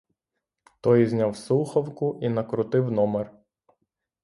Той зняв слухавку і накрутив номер.